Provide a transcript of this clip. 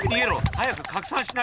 早く拡散しないと！